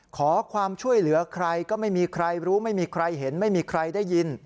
ขอความช่วยเหลือใครก็ไม่มีใครรู้ไม่มีใครเห็นไม่มีใครได้ยิน